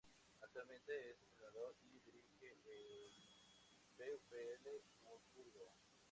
Actualmente es entrenador y dirige al VfL Wolfsburgo.